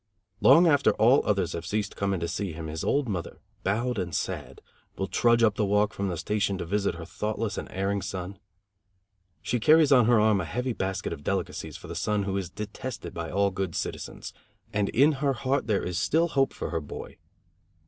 Long after all others have ceased coming to see him, his old mother, bowed and sad, will trudge up the walk from the station to visit her thoughtless and erring son! She carries on her arm a heavy basket of delicacies for the son who is detested by all good citizens, and in her heart there is still hope for her boy.